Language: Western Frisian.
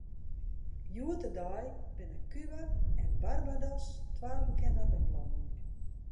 Hjoed-de-dei binne Kuba en Barbados twa bekende rumlannen.